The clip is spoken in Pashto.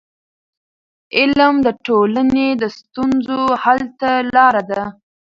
علم د ټولنې د ستونزو حل ته لار ده.